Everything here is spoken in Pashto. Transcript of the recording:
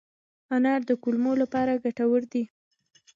انار د کولمو لپاره ګټور دی.